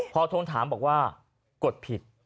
พอทวงถามบอกว่ากดผิด